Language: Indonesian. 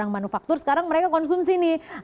yang manufaktur sekarang mereka konsumsi nih